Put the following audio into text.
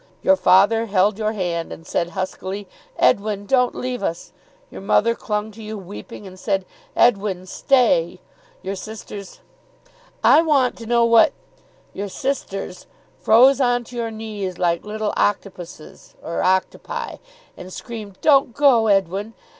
Your father held your hand and said huskily, 'Edwin, don't leave us!' Your mother clung to you weeping, and said, 'Edwin, stay!' Your sisters " "I want to know what " "Your sisters froze on to your knees like little octopuses (or octopi), and screamed, 'Don't go, Edwin!